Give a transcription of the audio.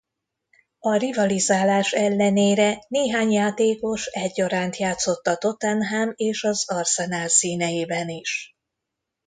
A rivalizálás ellenére néhány játékos egyaránt játszott a Tottenham és az Arsenal színeiben is.